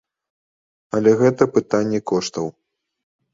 Але гэта пытанне коштаў.